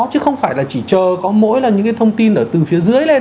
chứ không phải chỉ chờ có mỗi thông tin từ phía dưới lên